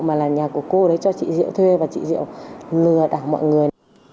mà là nhà của cô đấy cho chị diệu thuê và chị diệu lừa đảo mọi người